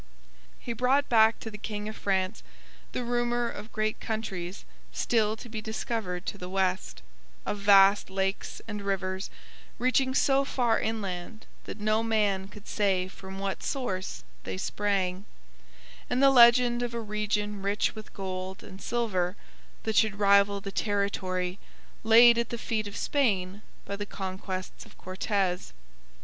He brought back to the king of France the rumour of great countries still to be discovered to the west, of vast lakes and rivers reaching so far inland that no man could say from what source they sprang, and the legend of a region rich with gold and silver that should rival the territory laid at the feet of Spain by the conquests of Cortez.